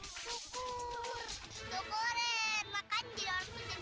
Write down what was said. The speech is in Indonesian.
tukoren makan jiranmu yang jahat dong